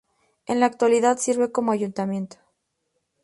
En la actualidad sirve como ayuntamiento.